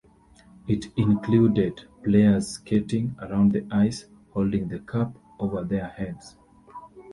It included players skating around the ice holding the Cup over their heads.